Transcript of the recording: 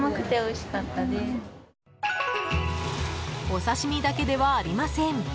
お刺し身だけではありません。